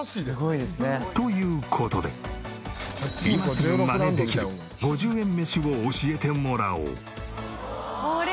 という事で今すぐマネできる５０円メシを教えてもらおう。